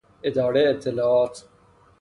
اداره اطلاعات